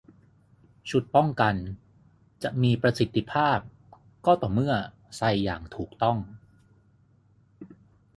ชุดป้องกันจะมีประสิทธิภาพก็ต่อเมื่อใส่อย่างถูกต้อง